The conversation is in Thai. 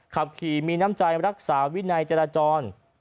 ขับขี่มีน้ำใจรักษาวินัยจราจร